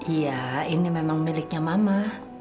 iya ini memang miliknya mama